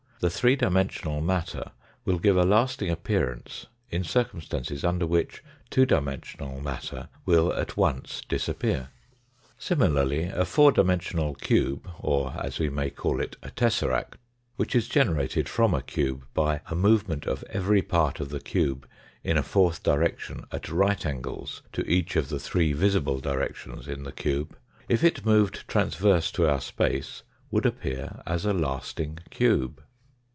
The three dimensional matter will give a lasting appearance in circumstances under which two dimensional matter will at once disappear. Similarly, a four dimensional cube, or, as we may call it, a tesseract, which is generated from a cube by a movement of every part of the cube in a fourth direction at right angles to each of the three visible directions in the cube, if it moved transverse to our space, would appear as a lasting cube.